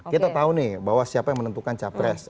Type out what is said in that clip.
kita tahu nih bahwa siapa yang menentukan capres